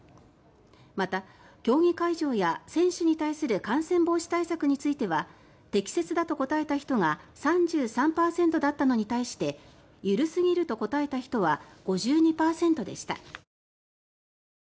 また、競技会場や選手に対する感染防止対策については適切だと答えた人が３３％だったのに対して緩すぎると答えた人は５２％でした。